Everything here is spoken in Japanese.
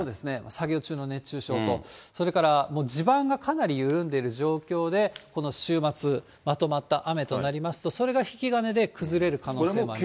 作業中の熱中症と、それから、地盤がかなり緩んでる状況でこの週末、まとまった雨となりますと、それが引き金で崩れる可能性もあります。